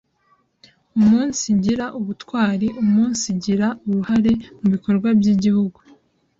umunsigira ubutwari, umunsigira uruhare mu bikorwa by’Igihugu